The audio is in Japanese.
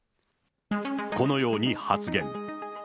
このように発言。